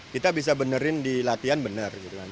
kita bisa benerin di latihan benar gitu kan